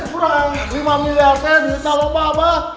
kurang lima miliarden bisa lho mbah abah